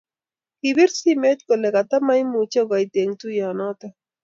Kipir simet kole katamaimuchi koit eng tuiyet noto